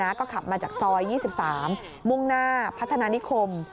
ก็ขับมาจากซอย๒๓มุ่งหน้าพัฒนานิคม